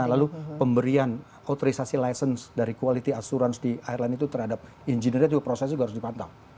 lalu pemberian autorisasi license dari quality assurance di airline itu terhadap engineer itu juga prosesnya harus dipantau